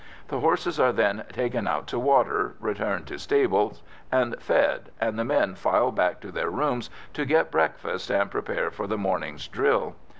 The horses are then taken out to water, returned to stables, and fed, and the men file back to their rooms to get breakfast and prepare for the morning's drill.